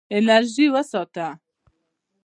انرژي وساته.